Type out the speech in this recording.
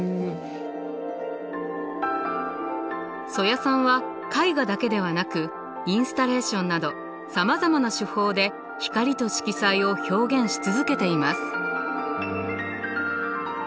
曽谷さんは絵画だけではなくインスタレーションなどさまざまな手法で光と色彩を表現し続けています。